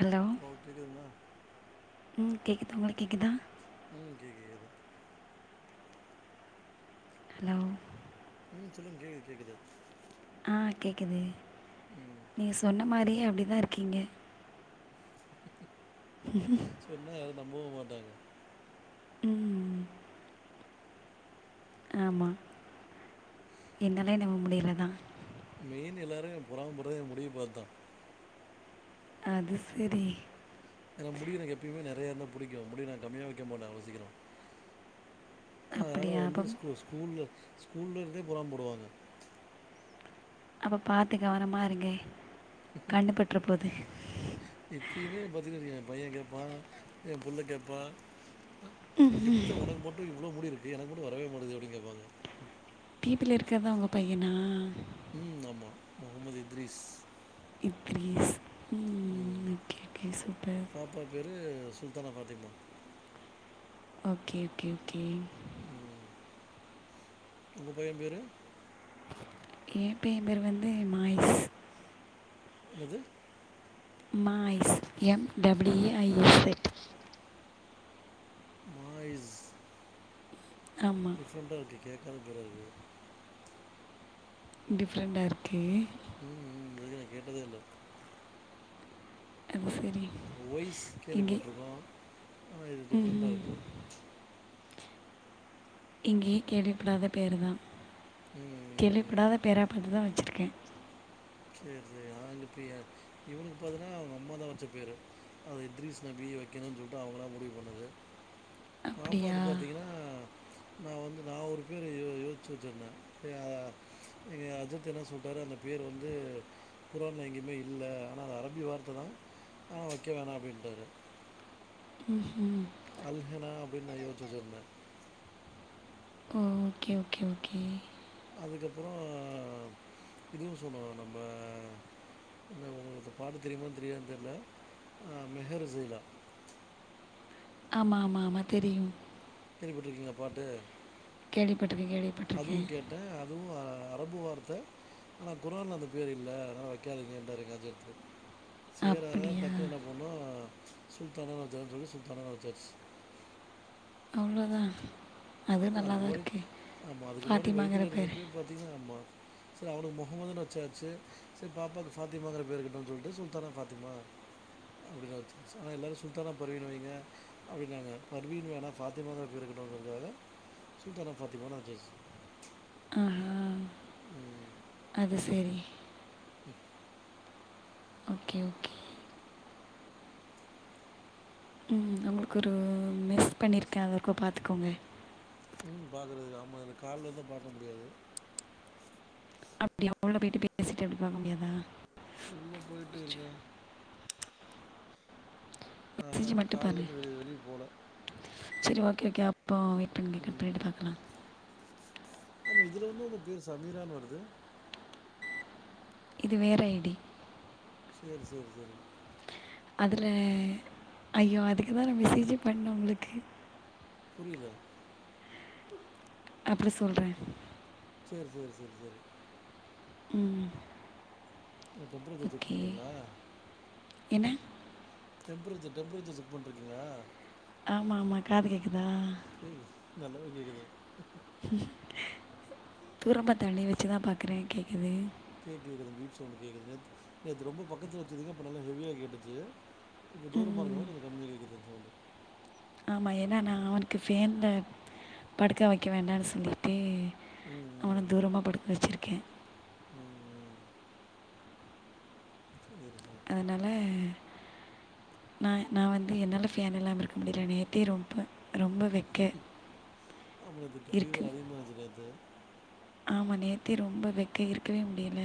Hello hello கேக்குதுங்களா ம் கேக்குது உங்களுக்கு கேக்குதா ம் கேக் கேக்குது ஹலோ ம் சொல்லுங்க கேக்குது கேக்குது ஆ கேக்குது ம் நீங்க சொன்ன மாரியே அப்டிதா இருக்கீங்க சொன்னா யாரு நம்பவு மாட்டாங்க ம் ஆமா என்னால நம்ப முடியல தா மெயின் எல்லாரு எ பொறாம படுறதே எ முடிய பாத் தா அது செரி ஏனா முடி எனக்கு எப்பயுமே நெறையா இருந்த புடிக்கு முடிய நா கம்மியா வக்க மாட்டே அவ்ளோ சீக்கிரோ அதனால அப்படியா வந்து அப்போ ஸ்கூ ஸ்கூல்ல ஸ்கூல்ல இருந்தே பொறாம படுவாங்க அப்ப பாத்து கவனமாக இருங்க கண்ணுபற்ற போது இப்பயுமே பாத்தீங்கன் வச்சிக்கோங்க எ பையே கேட்பா எ புள்ள கேட்பா எப்டி தா ஒனக்கு மட்டு இவ்ளோ முடி இருக்கு எனக்கு மட்டு வரவே மாட்டுது அப்டினு கேட்பாங்க டி பி ல இருக்கிற தா உங்க பையனா ம் ஆமா முஹமது இத்ரீஸ் இத்ரீஸ் ம் ஓகே ஓகே சூப்பர் ப்பா பேரு Sultana Fathima okay okay okay ம் உங்க பைய பேரு ஏ பையே பேர் வந்து மாயிஸ் என்னது Maais M double A I S சே மாய்ஸ் ஆமாம் டிஃப்ரெண்ட்டாக இருக்கு கேட்காத பேரா இருக்கு டிஃப்ரெண்ட்டா இருக்கே ம் ம் அதுக்கு நா கேட்டதே இல்ல அது சேரி ஒய்ஸ் கேள்விப்பட்டுருக்கோ ஆனா இது ம் டிஃப்ரெண்ட்டா இருக்கு எங்கயு கேள்விப்படாத பேருதா, ம் ம், ம். கேள்விப்படாதா பேரா பாத்துதா வச்சுருக்கே சேரி சேரி ஆனா இந்த பெய இவனுக்கு பாத்தீன்னா அவங்க அம்மாதா வச்ச பேரு அது எத்ரிஷ் நபிய வைக்கணுனு சொல்லிட்டு அவுங்களா முடிவு பண்ணது அப்படியா பாப்பாக்கு பாத்தீங்கன்னா நா வந்து நா ஒரு பேர யோ யோசிச்சி வச்சிருந்தே பேர் எ எங்க அஜத் என்ன சொல்ட்டாரு அந்த பேரு வந் து குரான்ல எங்கயுமே இல்ல ஆனா அது அரபி வார்த்ததா ஆனா வைக்க வேணா அப்டின்ட்டாரு ம்ஹூம் அல்ஹெனா அப்டின்னு நா யோச்சிச்சு வச்சிருந்தே ஓகே ஓகே ஓகே அதுக்கப்பறோ இதுவு சொன்னோ நம்ப இந்த உங்களுக்கு இந்த பாட்டு தெரியுமா தெரியாதானு தெர்ல அ மெஹர் ஜைலா ஆமா ஆமா ஆமா தெரியு கேள்வி பட்டுருக்கீங்களா பாட்டு கேள்விப்பட்டுருக்கே கேள்விப்பட்டுருக்கே அதுவு கேட்டே அதுவு அ அரபு வார்த்த ஆனா குரான்ல அந்த பேர் இல்ல அதனால வைக்காதீங்கன்ட்டாரு எங்க அஜத் சேரி அதா அப்படியா டக்குன்னு என்ன பண்ணோ சு சுல்தானானு வச்சிடலானு சொல்லி சுல்தானானு வச்சாச்சு அவ்ளோதா அதுக்கு முன்னாடி ஆமா அதுக்கு முன்னாடி ஃபாத்திமாங்கிற வயித்துல பேர் இருந்தப்பயே பாத்தீங்கனா ஆமா சேரி அவனுக்கு முகமதுனு வச்சாச்சு சேரி பாப்பாக்கு ஃபாத்திமாங்கிற பேரு இருக்கட்டுனு சொல்ட்டு சுல்தானா ஃபாத்திமா அப்டின்னு வச்சாச்சு ஆனா எல்லாரு சுல்தானா ஃபர்வின்னு வைங்க அப்டினாங்க ஃபர்வின் வேணா ஃபாத்திமாங்கற பேரு இருக்கட்டுங்கறதுக்காக சுல்தானா ஃபாத்திமானு வச்சாச்சு அஹா ம் அது சேரி ம் ஓகே ஓகே ம் உங்களுக்கு ஒரு மெஸ் பண்ணிருக்கே அது இருக்கா பாத்துக்கோங்க எங்க பாக்கறது ஆமா அதுல கால் வந்தா பாக்க முடியாது அப்டியா உள்ள போயிட்டு பேசிட்டு அப்டி பாக்க முடியாதா உள்ள போயிட்டு இருக்க ஆஹ மெசேஜ் மட்டும் கால்ல இருந்து வெ வெளிய போல சேரி ஓகே ஓகே அப்போ இப்ப நீங்க கட் ம் பண்ணிட்டு பாக்கலா ஆமா இதுல வந்து உங்க பேரு சமீரானு வருது இது வேற ஐ டி சேரி சேரி சேரி அதுல ஐயோ அதுக்குதா நா மெசேஜே பண்ணே உங்களுக்கு புரியில அப்றொ சொல்றே சேர் சேர் சேரி சேரி ம் என்ன டெம்ப்ரேச்சர் செக் ஓகே பண்றீங்களா? என்ன டெம்ப்ரேச்சர் டெம்ப்ரேச்சர் செக் பண்ட்ருக்கிங்ளா ஆமாமா காது கேக்குதா கேகுது நல்லாவே கேக்குதே தூரமா தள்ளி வச்சுதா பாக்குறே கேக்குது கேக்குது அந்த பீப் சவுண்டு கேக்குது நேத்து நேத்து ரொம்ப பக்கத்துல வச்சுருந்திங்க அப்ப நல்லா ஹெவியா கேட்டுச்சு இப்ப தூரமா இருக்கனா கொஞ்ச கம்மியா கேக்குது அந் சவுண்டு ஆமா ஏனா நா அவனுக்கு ஃபேன்ல படுக்க வக்க வேண்டானு சொல்லிட்டு ம் அவன ம், தூரமா படுக்க வச்சுருக்கே ம் சேரி சே அதுனால நா‌ நா வந்து என்னால ஃபேன் இல்லாம இருக்க முடில நேத்தே ரொம்ப ரொம்ப வெ ஆமா நேத்துக்கு ஃபீவர் அதிகமா இருந்ச்சு நேத்து ஆமா நேத்தே ரொம்ப வெக்க இருக்கவே முடியில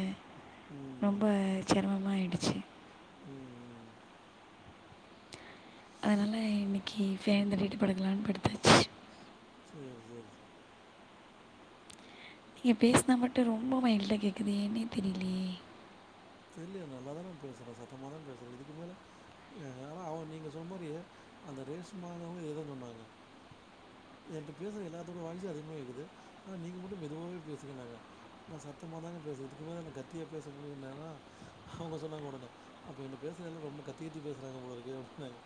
ரொம்ப ம் செரமமா ஆயிடுச்சு ம் அதுனால இன்னக்கி ஃபேன்ல பேயிட்டு படுக்கலான் படுத்தாச்சு சேர் சேர் நீங்க பேசுனா மட்டு ரொம்ப மைல்டா கேக்குது ஏன்னே தெரிலியே தெர்லயே நல்லாதா நா பேசுறே சத்தமா தா பேசுறே இதுக்கு மேல ஆனா அவுங்க நீங்க சொன்ன மாரியே அந்த ரேஷ்மாங்குறவுங்க இத தா சொன்னாங்க என்ட்ட பேசுற எல்லாத்தோட வாய்ஸு அதிகமா கேக்குது ஆனா நீங்க மட்டு மெதுவாவே பேசுங்கன்னாங்க நா சத்தமா தாங்க பேசு இதுக்கு மேல என்ன கத்தியா பேச முடியு என்னாலா அவுங்க சொன்னாங்க ஒடனே அப்ப என்ட்ட பேசுற எல்லா ரொம்ப கத்தி கத்தி பேசுறாங்க போலருக்கு அப்டின்னாங்க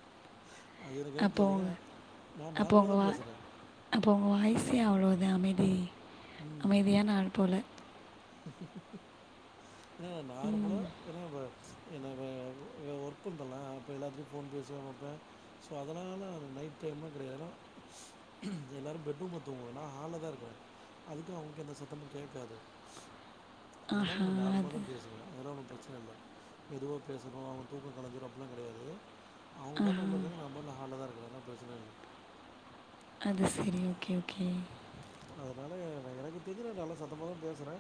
அது எனக் என்னன் அப்போ தெர்லைங்க உங்க நா நார்மலா தா பேசுறே அப்பொ உங்க வாய்ஸே அவ்ளோ தா அமைதி அமைதியான ஆள் போல இங்க நார்மலா எனா வ எனா வ ஒர்க் பண்றனா அப்போ எல்லாத்துட்டயு ஃபோன் பேசுவே வப்பே சோ அதுனால நைட் டைம்லா கெடயா ஏனா எல்லாரு பெட்ரூம்ல தூங்குவோ நா ஹால்ல தா இருக்கே அதுக்கு அவுங்ளுக்கு எந்த சத்தமு கேக்காது அதுனால ஆஹா நா நார்மல தா அது பேசுவே அதல்லா ஒன்னு பிரச்சன இல்ல மெதுவா பேசனு அவுங்க தூக்கொ கலஞ்சுரு அப்புல்லா கெடயாது அவுங்க பாட்ல ஆஹா உள்ள இருக்காங்க நா பாட்ல ஹால்ல தா இருக்கே அதுனால பிரச்சன இல்ல அது செரி ஓகே ஓகே அதுனால நா எனக்கு தெருஞ்சு நா நல்லா சத்தமாக தா பேசுறே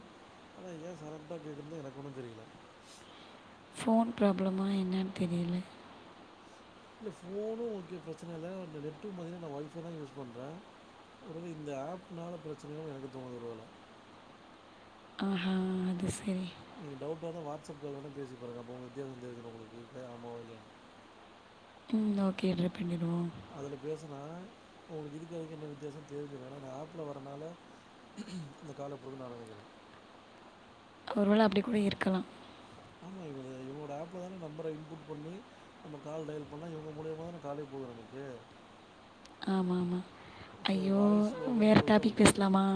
ஆனா ஏ சலன்ட்டா கேக்குன்தா எனக்கு ஒன்னு தெரில ஃபோன் ப்ராப்ளமா என்னன் தெரியில இல்ல ஃபோனு ஓகே பிரச்சனல்ல இந்த நெட்டு பாத்தினா நா ஒய்ஃபை தா யூஸ் பண்றே ஒருவேள இந்த ஆப்னால பிரச்சனயோன் எனக்கு தோனுது ஒரு வேள ஆஹா அது செரி நீங்க டவுட்டா இருந்தா வாட்ஸ்அப் கால் வேணா பேசி பாருங்க அப்ப உங்களுக்கு வித்தியாசோ தெரிஞ்சிரு உங்களுக்கு [unintelligible] ஆமாவா இல்லயானு ம் ஓகே ட்ரை பண்ணிடுவோ அதுல பேசுனா உங்களுக்கு இதுக்கு அதுக்கு என்ன வித்தியாசன் தெரிஞ்சவேனா நா ஆப்ல வரனால அந்த கால் அப்டிருக்குன்னு நா நெனைக்கற ஒருவேள அப்டி கூட இருக்கலா ஆமா இவரு இவரோட ஆப்ல தான நம்பர இன்புட் பண்ணி நம்ம கால் டயல் பண்ணா இவுங்க மூலியமா தான காலே போது நமக்கு ஆமாம்மா ஸோ ஐயோ வாய்ஸ் வேற ஓவர்னு சொல்லிட்டு அப்படி டாபிக் பேசலாமா பண்ணியிருக்காங்க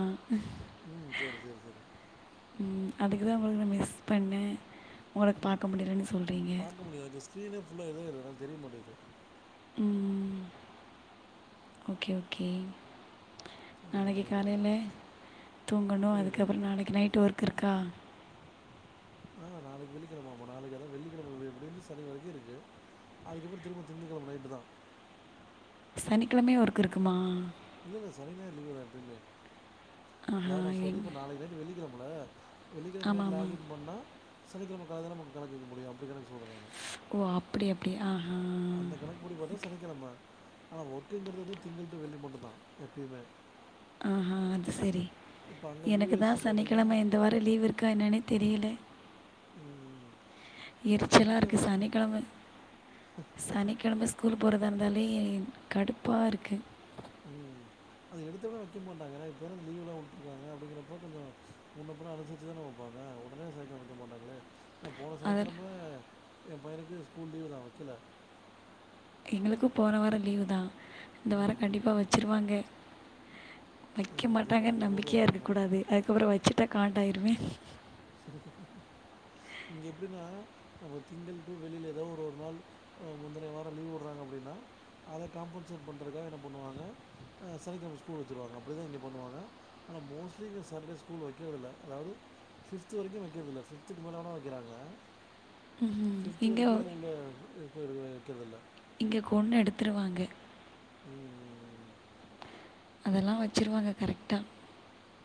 ம் சரி சரி சரி ம் அதுக்கு தா உங்களுக்கு நா மிஸ் பண்ண உங்கள பாக்க முடிலன்னு சொல்றீங்க க்க முடியாது ஸ்கிரீனே ஃபுல்லா [unintelligible] தெரிய மாட்டேக்குது ம் ஓகே ஓகே சொல்லுங்கள் நாளைக்கு நீங்கள் காலைல சொல்லுங்கள் தூங்கணு புரியல அதுக்கப்பறோ நாளைக்கு நைட் ஒர்க் இருக்கா ஆ நாளைக்கு வெள்ளிக்கெழம ஆமா நாளைக்கு அதா வெள்ளிக்கெழம எப்டீன்னு சனி வரைக்கு இருக்கு அதுக்கப்பறோ திரும்ப திங்கக்கெழம நைட்டு தா சனிக்கெழமயு ஒர்க் இருக்குமா இல்ல இல்ல சனி ஞாயிறு லீவு தா எப்பயுமே ஆஹா, அதாவ் நா சொல்ற எங் இப்ப நாளைக்கு நைட்டு வெள்ளிக்கெழம இல்ல வெள்ளிக்கெழம ஆமா, நைட் ஆமா. லாகின் பண்ணா சனிக்கெழம காலைல தா நமக்கு கணக்கு வெக்க முடியு அப்படி கணக்கு சொல்ற நானு ஓ அப் படி அப்டி ஆஹ் அந்த கணக்கு படி பாத்தா சனிக்கெழம அனா ஒர்க்குங்கறது வந்து திங்கள் டூ வெள்ளி மட்டு தா எப்பையுமே ஆஹா அது செரி இப்போ அங்கே எனக்கு தா யூஎஸில் பார்த்தீங்கன்னா சனிக்கெழம இந்த வார லீவ் இருக்கா என்னனே தெரீல ம் ம் எரிச்சலா இருக்கு சனிக்கெழம சனிக்கெழம ஸ்கூல் போறது அதா இருந்தாலே கடுப்பா இருக்கு ம் அது எடுத்தோனே வெக்க மாட்டாங்க ஏன்னா இப்ப தான லீவுலா உட்ருக்காங்க அப்டிங்கறப்ப கொஞ்சோ முன்ன பின்ன அனுசரிச்சு தான வெப்பாங்க உடனே சைக்க வெக்க மாட்டாங்களே நா போன அதில் சனிக்கெழம ஏ பையனுக்கு ஸ்கூல் லீவு தா வெக்கல எங்களுக்கு போன வாரோ லீவு தா இந்த வாரோ ம், கண்டிப்பா ம். வெச்சுருவாங்க வெக்க என்னன்னு தெரியல. மாட்டாங்கன் உங்க ஊர்ல நம்பிக்கையா எப்படி இருக்க இருக்கும்? கூடாது அதுக்கப்பறோ வச்சுட்டா காண்டாயிருவே இங்க எப்டின்னா நம்ம திங்கள் டூ வெள்ளில எதோ ஒரு ஒரு நாள் ஆ முந்தனைய வாரோ லீவ் உட்றாங்கா அப்டின்னா அத காம்பன்சேட் பண்றதுக்காக என்ன பண்ணுவாங்க ஆ சனிக்கெழம ஸ்கூல் வச்சிருவாங்க அப்படிதா இங்க பண்ணுவாங்க அனா மோஸ்ட்லி இங்க சாட்டர்டே ஸ்கூல் வக்கறதுல்ல அதாவது பிப்த்து வரைக்கு வெக்கறதுல்ல பிப்த்துக்கு மேலனா வெக்கறாங்க பிப்த் இங்கே வரைக்கு உள்ள [unintelligible] வெக்கறதுல்ல இங்க கொன்னு எடுத்துருவாங்க ம் ம் ம் அதல்லா வச்சுருவாங்க கரக்ட்டா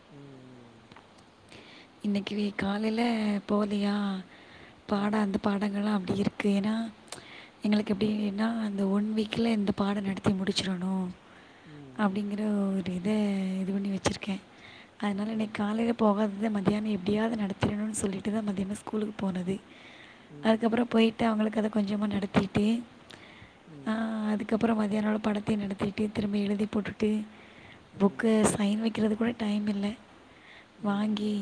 ம் ம் ம் இன்னிக்கி நீ காலைல போலியா பாட ம், அந்த பாடங்கல்லா ஆப்டி இருக்கு ஏன்னா எங்களுக்கு எப்டின்னா அந்த ஒன் வீக்ல இந்த பாடோ நடத்தி முடிச்சிறணு ம், ம், அப்டிங்கற ஒரு இத இது பண்ணி வச்சிருக்கே அதனால இன்னைக்கு ம், காலையில போகாது இத மத்தியானோ எப்டியாது நடத்திரணுன் சொல்லிட்டுதா மதியானோ ஸ்கூலுக்கு போனதே ம், அதுக்கப்புறோ போய்ட்டு அவுங்களுக்கு அத கொஞ்சமா நடத்திட்டு ம் அதுக்கப்புறோ மத்தியான உட படத்தையு நடத்திட்டு திரும்ப எழுதி போட்டுட்டு ம், புக்க சைன் வைக்கிறது கூட டைம் இல்ல வாங் கி ம்,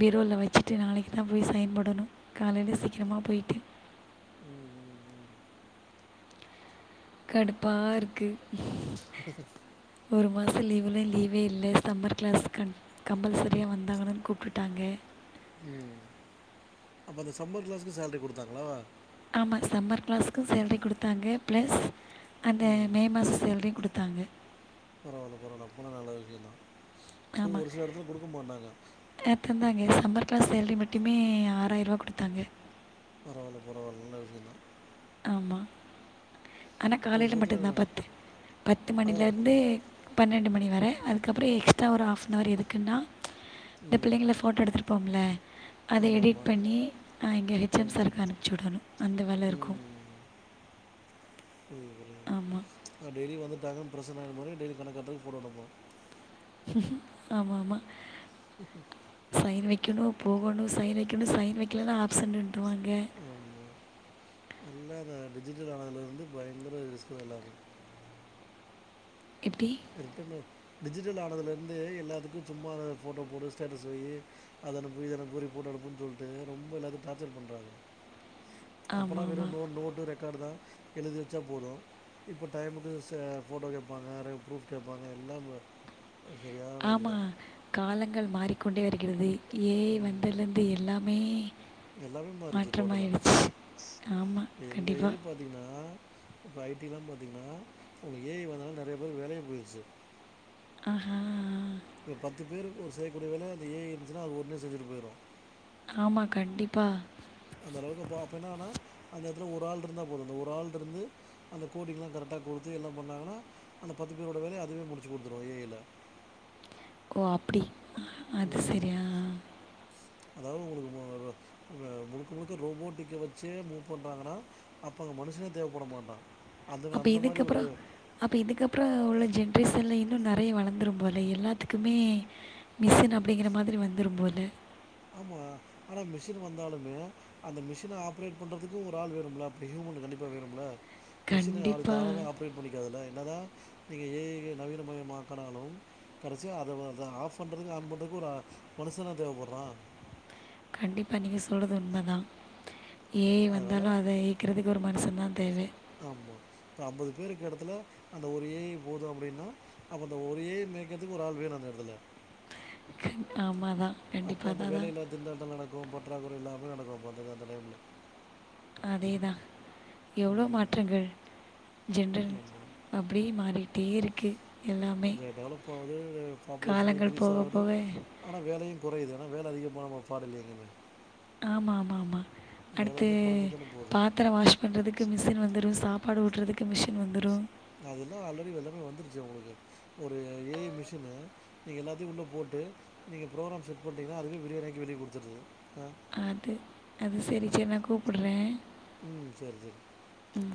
பீரோல வச்சுட்டு நாளைக்கு தா போய் சைன் போடணு காலைல சீக்கரமா போயிட்டு ம் ம் ம் கடுப்பா இருக்கு ஒரு மாச லீவுல லீவே இல்ல சம்மர் கிளாஸ் கன் கம்பல்சரியா வந்தாகனுன் கூப்டுட்டாங்க ம் அப்ப அந்த சம்மர் கிளாஸ்க்கு சேலரி குடுத்தாங்களா ஆமா சம்மர் கிளாஸ்க்கு சேல்ரி குடுத்தாங்க பிளஸ் அந்த ம் மே மாச சேல்ரியு குடுத்தாங்க பரவால்ல பரவால்ல அப்போனா நல்ல விஷயந்தா ஒரு சில எடத்துல குடுக்க மாட்டாங்க அ தந்தாங்க சம்மர் கிளாஸ் சேல்ரி மட்டுமே ஆறாய்ரூவா குடுத்தாங்க பரவால்ல பரவால்ல நல்ல விஷயந்தா ஆமா ஆனா ஒரு காலையில மட்டுதா சிலத்துல பத்து பத்து அதான் ப- மணிலருந்து பன்னெண்டு மணி வர அதுக் அதுக்கப்புறோ எக்ஸ்ர்ட்டா ஒரு ஆஃப்னவர் எதுக்குன்னா இந்த ம் பிள்ளைங்கள ஃபோட்டோ எடுத்துருப்போம்ல அத ஆமாம் எடிட் ஆமாம் பண்ணி அ இங்க ஹெச் எம் ம் சாருக்கு அனுப்பிச்சு விடணு அந்த வேல இருக்கு ம் ஆமா. ம் டெய்லி வந்துட்டாங்கானு பிரசனாகும்போது டெய்லி கணக் காட்டத்துக்கு போடோனோமோ ஆமா ஆமா சைன் வைக்கணு போகணு சைன் வைக்கணு சைன் வைக்கலன்னா ஆப்சன்ருவாங்க ஆமா எல்லா இந்த டிஜிட்டல் ஆனந்துலந்து பயங்கர ரிஸ்க்குதா எல்லாமே எப்டி ரிட்டன் ஒர்க் டிஜிட்டல் ஆனதுலந்து எல்லாத்துக்கு சும்மா ஃபோட்டோ போடு ஸ்டேட்டஸ் வையி அத அனுப்பு இத அனுப்பு ரிப்போர்ட் அனுப்புன் சொல்ட்டு ரொம்ப இல்லாத டாச்சர் பண்றாங்க அப்பலா வெரு ஆமாமா. நோ நோட்டு ரெக்கார்டுதா எழுதி வச்சா போது இப்ப டைமுக்கு ச ஃபோட்டோ கேப்பாங்க ப்ரூஃப் கேப்பாங்க எல்லா பார் ஆமா காலங்கள் மாறிக்கொண்டே வருகிறது ஏ ஐ ம். வந்தலந்து எல்லா மே எல்லாமே மாறிடுச்சு டோட்டலாக மாற்றமாயிடுச்சு ஆமா கண்டிப்பா பாத்தீங்கன்னா இப்ப ஐ டிலா பாத்தீங்கனா உங்களுக்கு ஏ ஐ வந்தனால நறைய பேருக்கு வேலைய போயிருச்சு ஆஹா ஆ இப்ப பத்து பேர் ஒரு செய்யக்கூடிய வேலைய அது ஏ ஐ இருந்துச்சுன்ன அது ஒன்னே செஞ்சுட்டு போயிரு ஆமா கண்டிப்பா அந்த அளவுக்கு அப்பா அப்ப என்னான்னா அந்த எடத்துல ஒரு ஆள் இருந்தா போது அந்த ஒரு ஆள்ருந்து அந்த கோடிங்லா கரெக்ட்டா குடுத்து எல்லா பண்ணாங்கா அந்த பத்து பேரோட வேலைய அதுவே முடிச்சு குடுத்துரு ஏ ஐல ஓ அப்டி அது சரியா அதாவது உங்களுக்கு மு அ முழுக்க முழுக்க ரோபோட்டிக்க வச்சே மூவ் பண்றாங்கன்னா அப்பங்க மனுஷனே தேவப்பட மாட்டா அப்ப இதுக்கப்பறோ அப்ப இதுக்கப்பறோ உள்ள ஜென்ரேசன்ல இன்னு நெறைய வளர்ந்துரும்போல எல்லாத்துக்குமே மிசின் அப்டிங்கிற மாதிரி வந்துரும்போல ஆமா ஆனா மிஷின் வந்தாலுமே அந்த மிஷின ஆப்ரேட் பண்றதுக்கு ஒரு ஆள் வேணுமுலா அப்டி ஹியூமன் கண்டிப்பா வேணுமுல மிஷின அது கண்டிப்பாக தானவே ஆப்ரேட் பண்ணிக்காதுல என்னதா நீங்க ஏ ஐ நவீன மயமாக்கனாலு கடைசியா அதை ஆஃப் பண்றதுக்கு ஆன் பண்றதுக்கு ஒரு மனுஷனா தேவப்பட்றா கண்டிப்பா நீங்க சொல்றது உண்மதா ஏ ஐ அதனால வந்தாலு அதை கிறதுக்கு ஒரு மனுஷன் தா தேவ ஆமா இப்ப ஐம்பது பேருக்கு எடத்துல அந்த ஒரு ஏ ஐ போது அப்டின்னா அப்ப அந்த ஒரு ஏ ஐ மேய்க்கறத்துக்கு ஒரு ஆள்‌ வேனு அந்த எடத்துல ஆமா தா அப்ப அந்த வேலையில்லா திண்டாட்டந்தா நடக்கு பற்றாக்குறை எல்லாமே நடக்கு அப்ப அந்த டைம்ல அதேதா எவ்ளோ ம். மாற்றங்கள் ஜென்ரல் ஆமா. அப்டியே மாறிட்டே இருக்கு எல்லாமே கொஞ்ச டெவலப் ஆவுது பாப்புலேஷன்னு காலங்கள் இன்க்ரீஸ் போக ஆவுது போக ஆனா வேலையு குறையுது ஆனா வேலை அதிகமான பாடல்லயே எங்கமே ஆமா ஆமா ஆமா அடுத்து வந்து குறைஞ்சி தானே போகுது பாத்தரோ வாஷ் பண்றதுக்கு மிஷின் வந்துரு சாப்பாடு ஊட்றதுக்கு மிஷின் வந்துரு அதெல்லா ஆல்ரெடி எல்லாமே வந்துருச்சே உங்களுக்கு ஒரு ஏ ஐ மிஷினு நீங்க எல்லாத்தையு உள்ளே போட்டு நீங்க ப்ரோக்ராம் செட் பண்டீங்கன்னா அதுவே [unintelligible] வெளியே குடுத்துருறது ஆ அது அது செரி சே நா கூப்புட்றே ம் செரி செரி ம்